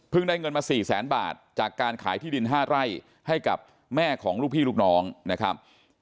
ได้เงินมา๔แสนบาทจากการขายที่ดิน๕ไร่ให้กับแม่ของลูกพี่ลูกน้องนะครับ